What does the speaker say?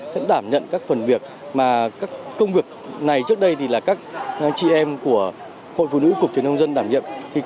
sẽ đảm nhận các phần việc mà các công việc này trước đây là các chị em của hội phụ nữ cục truyền thông dân đảm nhận